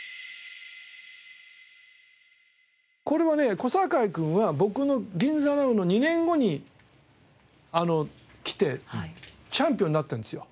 これはね小堺君は僕の『ぎんざＮＯＷ！』の２年後に来てチャンピオンになってるんですよ。